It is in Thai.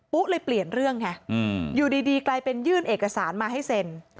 เลยเปลี่ยนเรื่องไงอยู่ดีกลายเป็นยื่นเอกสารมาให้เซ็น